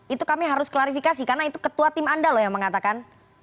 itu kami harus klarifikasi karena itu ketua tim anda loh yang mengatakan